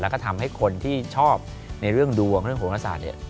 แล้วก็ทำให้คนที่ชอบในเรื่องดวงเรื่องโหลศาสตร์เนี่ย